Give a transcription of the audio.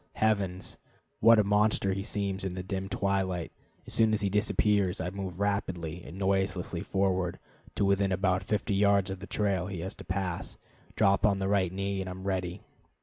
Heavens, what a monster he seems in the dim twilight! As soon as he disappears I move rapidly and noiselessly forward to within about fifty yards of the trail he has to pass, drop on the right knee, and am ready.